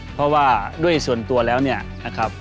เพราะว่าด้วยส่วนตัวแล้วเนี่ยนะครับ